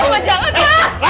mama mama jangan